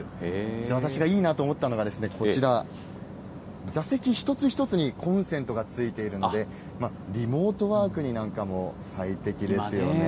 私がいいなと思ったのがですね、こちら、座席一つ一つにコンセントがついているので、リモートワークになんかも最適ですよね。